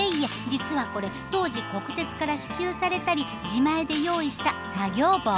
実はこれ当事国鉄から支給されたり自前で用意した作業帽。